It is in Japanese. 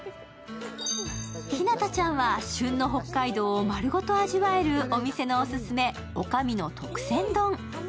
日向ちゃんは旬の北海道を丸ごと味わえるお店のオススメ、女将の特選丼。